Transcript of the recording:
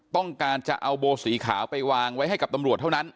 ต้องการจะเอาโบสีขาวไปวางไว้ให้กับตำรวจเท่านั้น